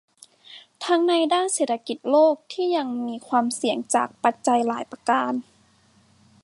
ทั้งในด้านเศรษฐกิจโลกที่ยังมีความเสี่ยงจากปัจจัยหลายประการ